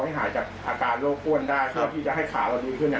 หายจากอาการโรคอ้วนได้เพื่อที่จะให้ขาเราดีขึ้นเนี่ย